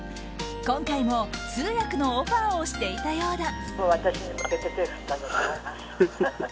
今回も通訳のオファーをしていたようだ。